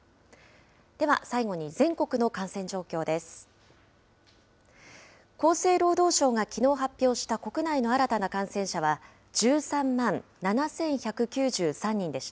では最後に全国の感染状況です。